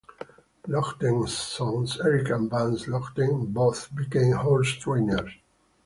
Longden's sons Eric and Vance Longden both became horse trainers.